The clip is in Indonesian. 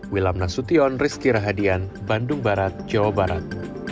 wilam nasution rizky rahadian bandung barat jawa barat